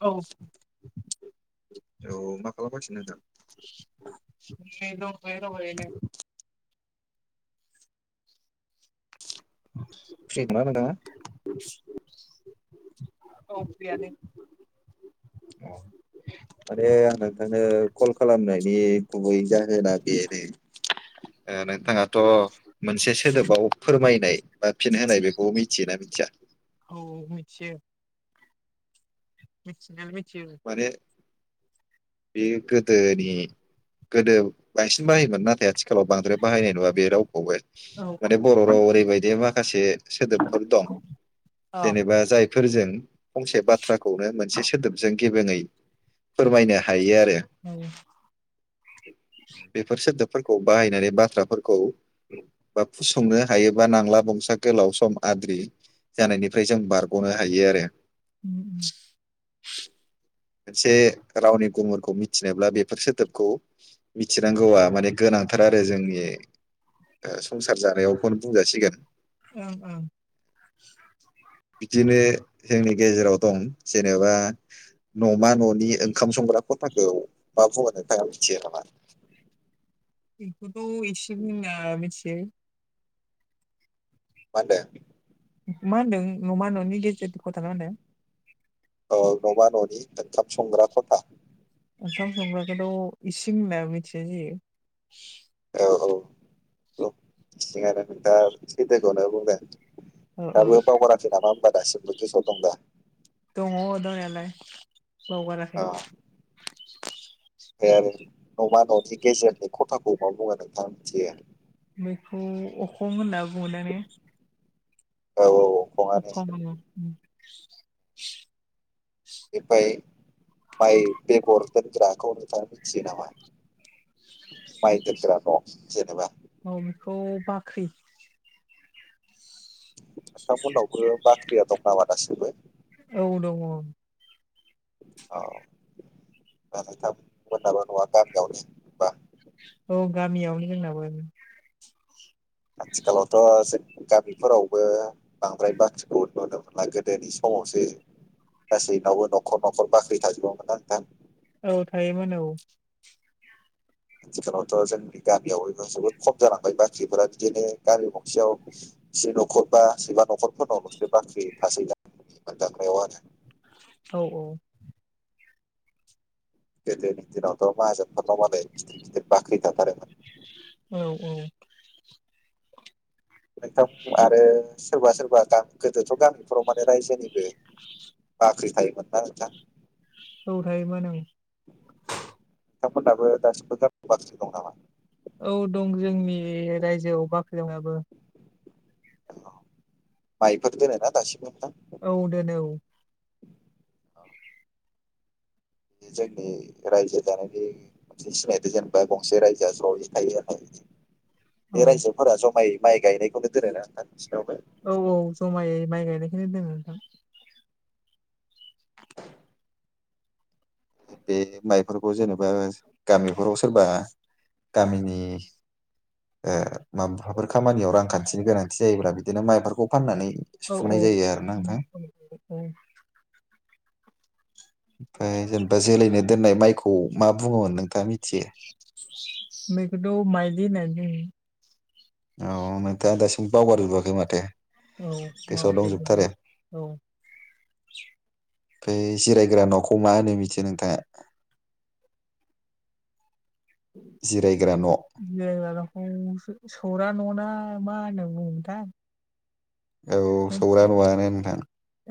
औ। औ मा खालामगासिनो? नै दं नै दं ओरैनो। फ्रिखाना नोंथाङा? औ फ्रियानो। माने आं नोंथांनो कल खालामनायनि गुबै जाहोना बेनो ओ नोंथाङाथ' मोनसे सोदोबाव फोरमायनाय बा फिन होनाय बेखौ मिथियोना मिथिया? औ मिथियो। मिथिनाया मिथ माने बे गोदोनि गोदो बांसिन बाहायोमोन नाथाय आथि खालाव बांद्राय बाहायनाय नुवा बे रावखौबो औ माने बर' राव ओरैबायदि माखासे सोदोबफोर दं अ जेनेबा जायफोरजों फंसे बाथ्राखौनो मोनसे सोदोब गेबेङै फोरमायनो हायो आरो औ। फोरखौ बाहायनानै बाथ्राफोरखौ फसंनो हायोबा नांला बंसा गोलाव सम आद्रि जानायनिफ्राय जों बारगनो हायो आरो। उम्म उम्म। मोनसे रावनि गुमुरखौ मिथिनोब्ला बेफोर सोदोबखौ मिथिनांगौआ माने गोनां थार आरो जोंनि ओ संसार जानायावखौनो बुंजासिगोन। ओं ओं। बिदिनो जोंनि गेजेराव दं जेनेबा न'मा न'नि ओंखाम संग्रा ख'थाखौ मा बुङो नोंथाङा मिथियो नामा? एखौथ' इसिं होनना मिथियो। मा होनदों? मा होनदों न'मा न'नि गेजेरनि खथाना होनदों? औ न'मा न'नि ओंखाम संग्रा ख'था। ओंखाम संग्राखौथ' इसिं होना मिथिनाय जायो। औ औ औ [unintelligible] नोंथाङा सैथोखौनो बुंदों। औ औ दाबो बावगाराखै नामा होमबा दासिमबो गोसोयाव दं दा? दङ दंनायालाय बावगाराखै। अ ओमफ्राय आरो न' मा न'नि गेजेरनि ख'थाखौ मा बुङो नोंथाङा मिथियो? बेखौ अखं होनना बुङोदा ने? औ औ खङानो [unintelligible] इनिफ्राय माइ बेगर दोनग्राखौ नोंथाङा मिथियो नामा? माइ दोनग्रा न' जेनबा? औ बेखौ बाख्रि नोंथां मोननावबो बाख्रिया दं नामा दासिमबो? औ दङ औ दा नोंथांमोननाबो न'आ गामियावनो होनबा? औ गामियावनो जोंनाबो। आथिखालावथ' जों गामिफोरावबो बांद्राय बाख्रिखौ नुनो मोनला गोदोनि सम यावसो गासैनावबो न'खर न'खर बाख्रि थाजोबोमोनना नोंथां? औ थायोमोन औ आथिखालावथ' जोंनि गामियाव जोबोद खम जालांबाय बाख्रिफोरा बिदिनो गामि गंसेयाव से न'खर बा जिबा सोरबा न'खरफोरनावल'सो बाख्रि थासिगोन मोनदांनायाव आरो। औ औ गोदोनि दिनावथ' माहाजोन फोरनावथ' मालाय गिदिर गिदिर बाख्रि थाथारोमोन। औ औ नोंथां आरो सोरबा सोरबा गोदोथ' गामिफोराव माने रायजोनिबो बाख्रि थायोमोन ना नोंथां औ थायोमोन ओं बिथांमोननाबो दासिमबो गामियाव बाख्रि दं नामा? औ दं जोंनि रायजोआव बाख्रि दं दाबो। माइफोर दोनोना दासिमबो नोंथां? औ दोनो औ औ जोंनि रायजो जानायनि मोनसे सिनायथि जेनेबा गंसे रायजोआ ज'यै थायो आरो औ बे रायजोफोरा जमायै माइ गायनायखौनो दोनायनोना नोंथां? बिसिनावबो औ औ जमायै माइ गायनायखौनो दोनो नोंथां। बे माइफोरखौ जेनेबा गामिफोराव सोरबा गामिनि ओ माबाफोर खामानियाव रांखानथिनि गोनांथि जायोब्ला बिदिनो माइफोरखौ फाननानै औ औ सुफुंनाय जायो आरोना नोंथां औ ओमफ्राय जेनेबा जोलैनो दोननाय माइखौ मा बुङोमोन नोंथाङा मिथियो? बेखौथ' माइलि होननानै बुङो। औ नोंथाङा दासिमबो बावगारजोबाखै माथो औ गोसोआव मावाखै दंजोबथारो औ ओमफ्राय जिरायग्रा न'खौ मा होनो मिथियो नोंथाङा? जिरायग्रा न' औ जिरायग्राखौ सौरा न'ना मा होनना बुङोमोनथाय औ सौरा नुवानो नोंथां।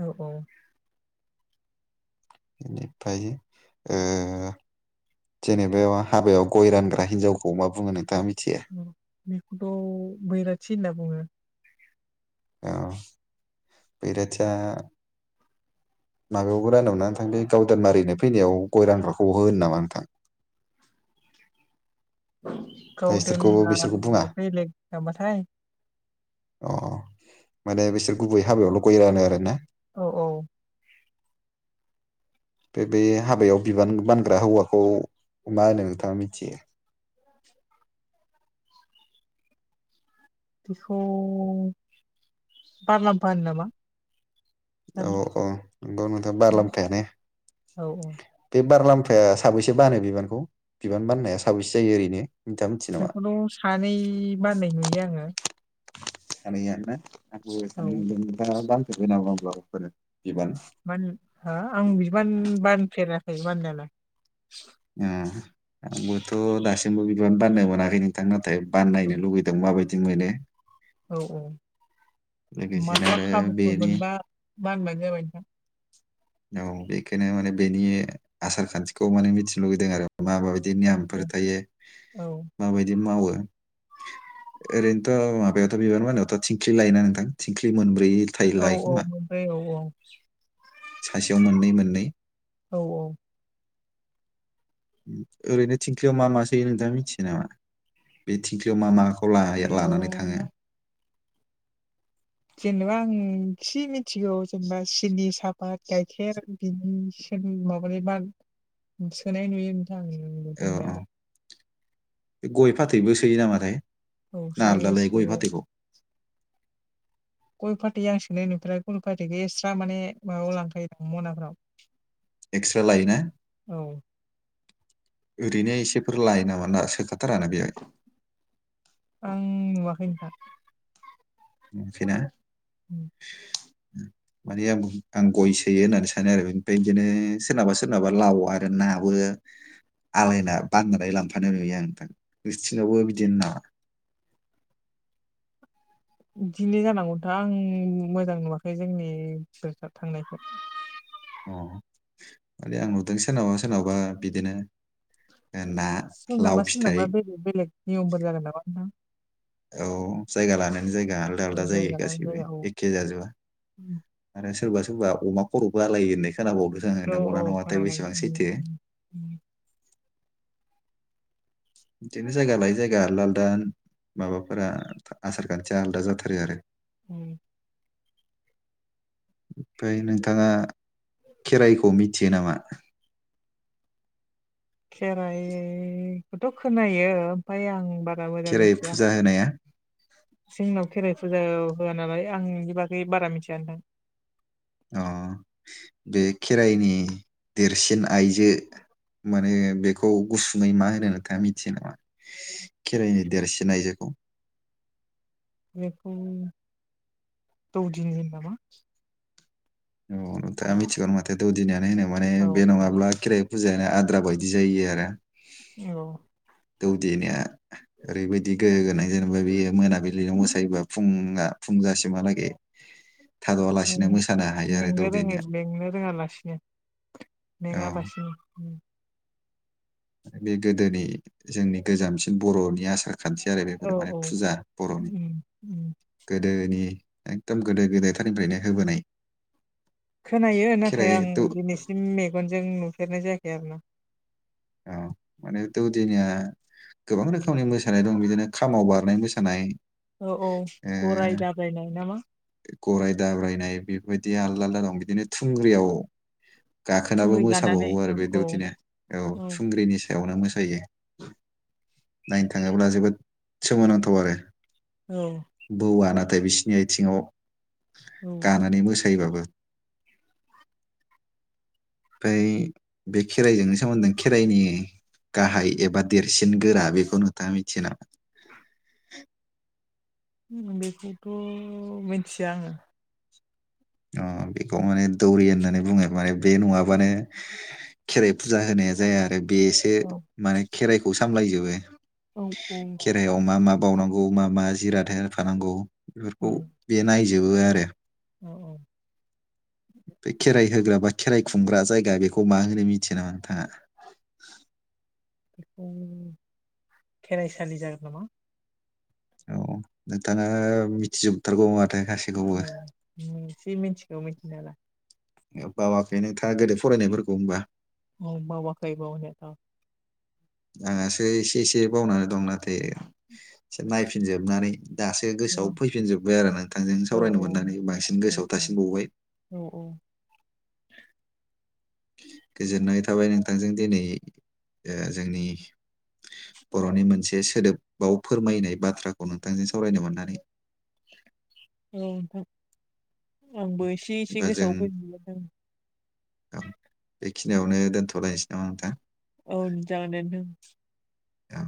औ औ बेनिफ्राय ओ जेनेबा हाबायाव गय रानग्रा हिनजावखौ मा बुङो नोंथाङा मि बेखौथ' बैराथि होनना बुङो। औ बेेराथिया माबायावबो रानावा नोंथां बे गावदान मारिनो फैनायाव गय रानग्राखौ होन नामा नोंथां? [inaudible] गाव बिसोरखौ दोनना बिसोरखौ बुङा बेलेग नामाथाय अ माने बिसोर गुबै हाबायावल' गय रानो आरो ना औ औ बे बे हाबायाव बिबान बानग्रा हौवाखौ मा होनो नोंथाङा मिथियो? [inaudible] बेखौ बारलांफा होनो नामा औ औ नंगौ नोंथां बारलामफायानो औ औ बे बारलाम फाया साबैसे बानो बिबानखौ बिबान बाननाया साबैसे जायो ओरैनो नोंथाङा मिथियो नामा बेखौथ' सानै बाननाय नुयो आङो सानैया ना आं सानै औ नुदों नोथाङा बानफेरदों नामा माब्लाबाफोर बिबान मा होन हा आं बिदि बानफेराखै बानायालाय आंबोथ' दासिमबो बिबान बाननो मोनाखै नोंथां ना थाय बाननो लुुबैदों माबादि मोनो औ औ। मा लोगोसेनो मा आरो खाबुफोर बेनि मोनबा बानबानो जाबाय नोंथां। औ बेखोनो माने बेनि आसार खान्थिखौ माने मिथिनो लुुबैदों आरो। माबा औ ओरैनोथ' माबायावथ' बिबार मायावथ' थिंख्लि लायोना नोंथां थिंख्लि मोनब्रै उथाय औ औ लायोखोमा मोनबाय औ औ सासेयाव मोननै मोननै। औ औ ओरैनो थिंख्लियाव मा मासो नोंथाङा मिथियो नामा बे थिंख्लियाव मा मा खौ लानानै लानानै थाङो। बेयाव जेनेबा आं एसे मिथिगौ जेनेबा सिनि साहापात गाइखेर बिनि माबानि बा सोनाय नुयो नथां आं औ औ नुनायालाय गय फाथैबो सोयो नामाथाय औ ना सोयो आलदालाय गय सोयो फाथैखौ गय फाथै आं सोनाय नुफोराखै गय फाथैखौ एक्सट्रा माने माबायाव लांखायो दां मनाफ्राव एक्स्रा लायोना औ ओरैनो इसेफोर लायो नामा सोखाथारानो बेहाय आं नुवाखै नोंथां नुयाखैना माने आं आं गय सोयो होननानै सानो आरो ओमफ्राय बिदिनो सोरनाबा सोरनाबा लाव आरो नाबो [inaudible] आलायना बाननानै लांफानो लुबैयो आं नोंथां नोंसिनावबो बिदिनो नामा। [inaudible] बिदिनो जानांगौ नोंथां आं मोजां नुवाखै जोंनि थांनायखौ अ माने आं नुदों सोरनावबा सोरनावबा बिदिनो ना लाव सोरनामा फिथाइ सोरनामा बेलेग बेलेग नियमफोर जागोन नामा नोंथां। औ जायगालानो जायगा आलदा औ आलदा जायो जायगा लायै गासैबो जायगा औ एखे जाजोबा सोरबा सोरबा अमा खर' जालायो होननाय खोनाबावदोंसो आङो औ औ नंगौना नङाथाय बेसेबां खोनादों सैथो दिनो जायगा लायै जायगा लालदान माबाफोरा आसार खान्थिया आलदा जाथारो आरो उम। फाय नोंथाङा खेराइखौ मि थियो नामा खेराइखौथ' खोनायो ओमफा आं बा खेराइ फुजा होनाया जोंनाव खेराइ फुजा अ होआ नालाय आं बिनि बागै बारा मिथिया नोथां। अ बे खेराइनि देरसिन आइजो माने बेखौ गुसुङै मा होनो नोंथाङा मिथियो नामा खेराइनि देरसिन नायजोखौ [unintelligible] बेखौ दौदिनि होनो नामा नंगौ नोंथाङा मिथिगौनो माथो माने औ बे नङाब्ला खेराय फुजायानो आद्रा बायदि जायो आरो औ। दौदिनिया ओरैबायदि गोहोगोनां जेनेबा बियो मोनाबिल दिनो मोसायोबा फुंङा फुंजासिमहालागे थाद'आलासिनो मोसाना मेंनो रोङै मेंनो रोङालासिनो औ मेङाबासिनो बे गोदोनि जोंनि गोजामसिन बर'नि आसार खान्थि आरो औ बेफोरो माने औ फुजा बर'नि उम उम गोदोनि एकदम गोदो गोदायथारनिफ्रायनो होबोनाय खोनायो नाथाय खेराइ आं दौ दिनैसिम मेगनजों नुफेरनाय जायाखै आरो ना औ माने दौदिनिया गोबां रोखोमनि मोसानाय दं बिदिनो खामाव बारनाय मोसानाय औ औ ओ गराय दाब्रायनाय नामा? गराय दाब्रायनाय बेफोबायदिया आलदा आलदा दं बिदिनो थुंग्रियाव गाखोनाबो थुंग्रि गानानै मोसाबावो आरो औ बे औ दौदिनिया औ थुंग्रिनि सायावनो मोसायो। नायनो थाङोब्ला जोबोद सोमोनांथाव आरो औ बौवाना थाय बिसिनि आयथिंङाव औ गानानै मोस सायोबाबो फाय बे खेराइजोंनो सोमोन्दै खेराइनि गाहाय एबा देरसिन गोरा बेखौ नोंथाङा मिथियो नामा? बेखौथ' मिनथिया आङो। अ बेखौ माने दौरि होननानै बुङो माने बे नङाबानो खेराइ फुजा होनाया नाया जाया आरो बेसो औ माने खेराइखौ सामलायजोबो औ औ। खेराइायाव मा मा बावनांगौ मा मा जिराथाय होफानांगौ बेफोरखौ उम बे नायजोबो आरो औ औ। बे खेराइ होग्रा बा खेराइ खुंग्रा जायगा बेखौ मा होनो मिथियो नामा नोंथाङा? बेखौ खेराइसालि जागोन नामा? औ नोंथाङा मिथिजोबथारगौ आ मिथिगौ मिथिनायालाय। नो बावाखै नोंथाङा गोदो फरायनायफोरखौ होमबा? औ बावाखै बावनाया ओ। आंहासो इसे इसे बावनानै दं नाथाय से नायफिनजोबनानै दासो गोसोआव फैफिनजोब्बाय आरो नोंथांजों औ सावरायनो मोननानै बांसिन औ गोसोआव औ थासिनबावबाय। औ औ। [unintelligible] गोजोननाय थाबाय नोंथांजों दिनै ओ जोंनि बर'नि मोनसे सोदोबाव फोरमायनाय बाथ्राखौ नोंथांजों सावरायनो मोननानै [inaudible] [unintelligible] आंबो एसे एसे बा जों गोसोआव फै मोनदों। खिनियावनो दोनथ'लायनोसै नामा नोंथां? औ जागोनदे नोंथां। औ